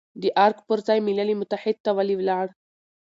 د ارګ پر ځای ملل متحد ته ولې لاړ،